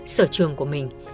sở trường của mình